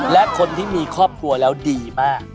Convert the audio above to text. และคนที่มีครอบครัวแล้วดีมาก